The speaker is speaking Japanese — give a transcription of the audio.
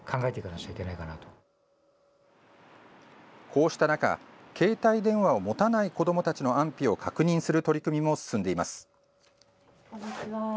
こうした中携帯電話を持たない子どもたちの安否を確認する取り組みも進んでいます。